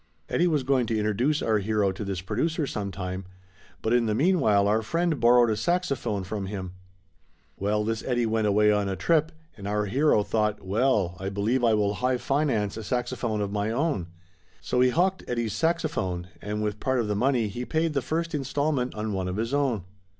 Eddie was going to introduce our hero to this producer sometime, but in the mean while our friend borrowed a saxophone from him. Well, this Eddie went away on a trip, and our hero thought, well, I believe I will high finance a saxophone of my own. So he hocked Eddie's saxophone and with part of the money, he paid the first installment on one of his own.